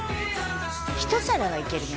１皿はいけるね